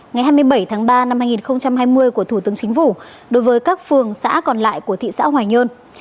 ngày hai mươi bảy tháng ba năm hai nghìn hai mươi của thủ tướng chính phủ đối với các phường xã còn lại của thị xã hoài nhơn